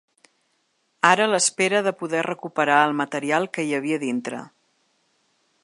Ara l'espera de poder recuperar el material que hi havia dintre.